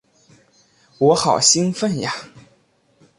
我好兴奋啊！